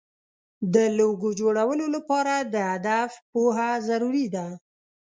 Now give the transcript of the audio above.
د لوګو جوړولو لپاره د هدف پوهه ضروري ده.